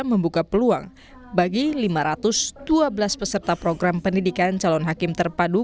membuka peluang bagi lima ratus dua belas peserta program pendidikan calon hakim terpadu